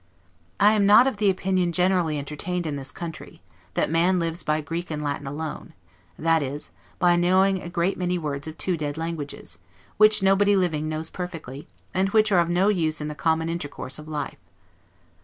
I am not of the opinion generally entertained in this country, that man lives by Greek and Latin alone; that is, by knowing a great many words of two dead languages, which nobody living knows perfectly, and which are of no use in the common intercourse of life.